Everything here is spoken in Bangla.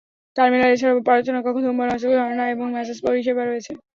টার্মিনালে এছাড়াও প্রার্থনা কক্ষ, ধূমপান অঞ্চল, ঝরনা এবং ম্যাসেজ পরিষেবা রয়েছে।